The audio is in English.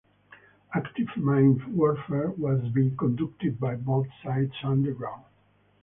Active mine warfare was being conducted by both sides underground.